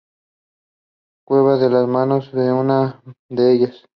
La Cueva de las Manos es una de ellas.